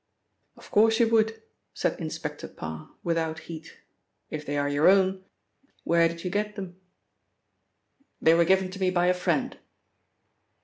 "Of course you would," said Inspector Parr without heat. "If they are your own, where did you get them?" "They were given to me by a friend."